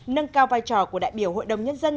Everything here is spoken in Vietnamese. nâng cao vai trò của đại biểu hội đồng nhân dân